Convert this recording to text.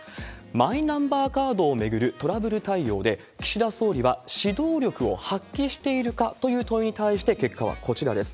マイナンバーカードを巡るトラブル対応で、岸田総理は指導力を発揮しているか？という問いに対して、結果はこちらです。